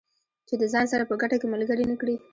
چې د ځان سره په ګټه کې ملګري نه کړي.